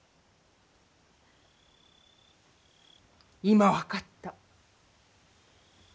今分かった。